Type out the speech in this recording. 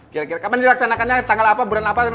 kira kira kapan dilaksanakannya tanggal apa bulan apa